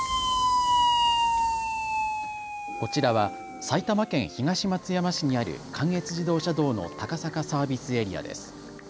こちらは埼玉県東松山市にある関越自動車道の高坂サービスエリアです。